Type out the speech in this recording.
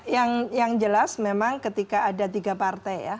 yang jelas memang ketika ada tiga partai ya